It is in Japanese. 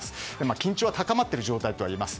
緊張が高まっている状態とはいえます。